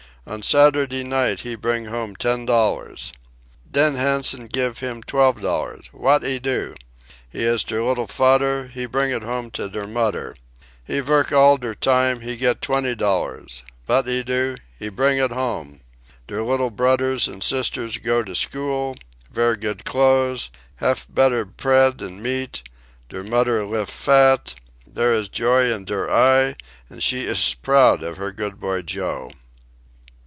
On Saturday night he bring home ten dollar. Den Hansen gif him twelve dollar vat he do? He iss der liddle fader, he bring it home to der mudder. He vork all der time, he get twenty dollar vat he do? He bring it home. Der liddle brudders an' sisters go to school, vear good clothes, haf better pread an' meat; der mudder lif fat, dere iss joy in der eye, an' she iss proud of her good boy Joe.